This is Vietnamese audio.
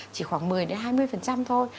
chỉ khoảng một mươi hai mươi thôi